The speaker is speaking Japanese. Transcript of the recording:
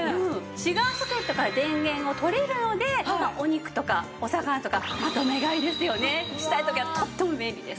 シガーソケットから電源を取れるのでお肉とかお魚とかまとめ買いですよねしたい時はとっても便利です。